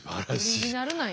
オリジナルなんや。